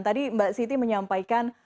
tadi mbak siti menyampaikan